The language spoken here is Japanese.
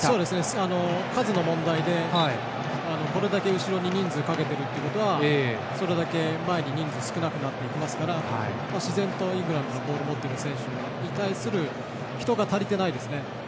数の問題でこれだけ後ろに人数をかけているってことはそれだけ前に人数が少なくなっていますから自然とイングランドのボールを持っている選手に対する人が足りていないですね。